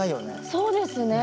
そうですね。